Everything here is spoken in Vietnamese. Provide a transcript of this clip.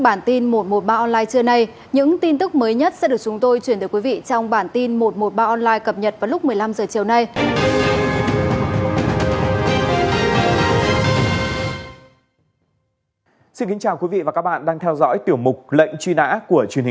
bản tin một trăm một mươi ba online trưa nay